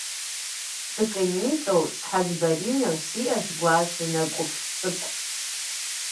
Цӏыкӏунитӏэу, щхьэц баринэу, сиӏэщ гуащэ нэкӏуплъ цӏыкӏу.